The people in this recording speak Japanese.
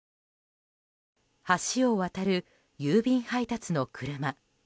橋を渡る郵便配達の車。